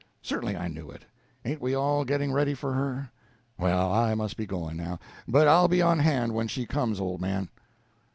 Certainly I knew it. Ain't we all getting ready for her? Well, I must be going now. But I'll be on hand when she comes, old man!"